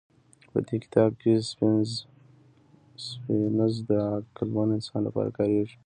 په دې کتاب کې سیپینز د عقلمن انسان لپاره کارېږي.